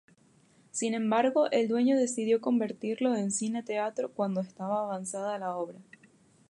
Sin embargo, el dueño decidió convertirlo en cine-teatro cuando estaba avanzada la obra.